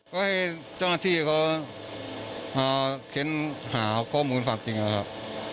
ก็ให้เจ้าหน้าที่เขามาเค้นหาข้อมูลความจริงนะครับ